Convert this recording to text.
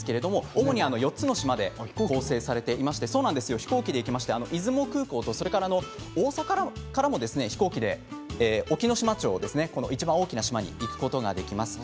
主に４つの島で構成されていて飛行機で出雲空港とそれから大阪からも飛行機でいちばん大きな島の隠岐島町に行くことができます。